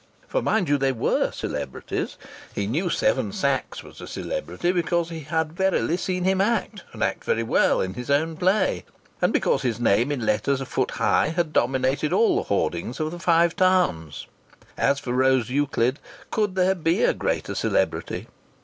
For, mind you, they were celebrities. He knew Seven Sachs was a celebrity because he had verily seen him act and act very well in his own play, and because his name in letters a foot high had dominated all the hoardings of the Five Towns. As for Rose Euclid, could there be a greater celebrity?